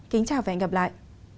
kính chào và hẹn gặp lại